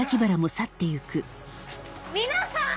皆さん！